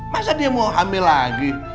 masa dia mau ambil lagi